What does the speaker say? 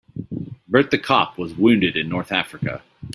Bert the cop was wounded in North Africa.